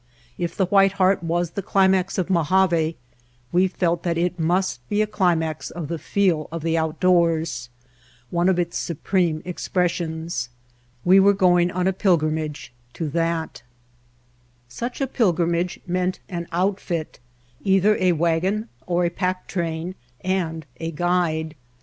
If the White Heart was the climax of Mojave we felt that it must be a climax of the feel of the outdoors, one of its supreme expressions. We were going on a pil grimage to that. White Heart of Mojave Such a pilgrimage meant an outfit, either a wagon or a pack train, and a guide.